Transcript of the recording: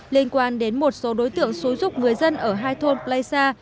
liên quan đến một số đối tượng xúi dục người dân ở hai thôn pleisa